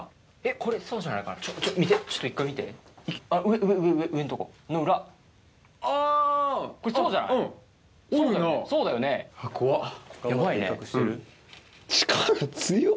これそうじゃない？怖っ。